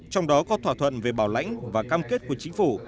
trong đó có thỏa thuận về bảo lãnh và cam kết của chính phủ